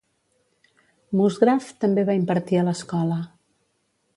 Musgrave també va impartir a l'escola.